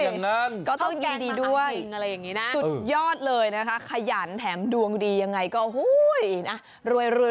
นี่ต้องยินดีด้วยสุดยอดเลยนะคะขยันแถมดวงดียังไงก็ฮู้ยยย